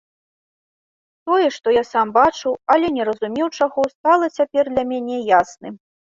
Тое, што я сам бачыў, але не разумеў чаго, стала цяпер для мяне ясным.